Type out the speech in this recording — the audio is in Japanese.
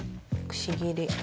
「くし切り？」